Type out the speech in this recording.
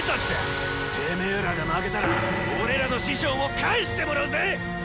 テメェらが負けたら俺らの師匠を返してもらうぜ！